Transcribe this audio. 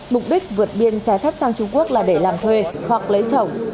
mục đích vượt biên trái phép sang trung quốc là để làm thuê hoặc lấy chồng